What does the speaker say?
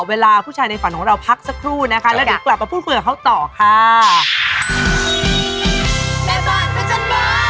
เออปนเล้วเรียอะไรเนี่ย